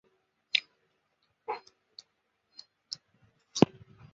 它包含一个明亮的电离氢区发射。